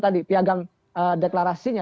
tadi piagam deklarasinya